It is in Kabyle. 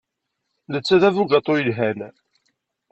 Netta d abugaṭu yelhan.